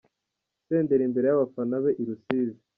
Senderi imbere y'abafana be i Rusizi.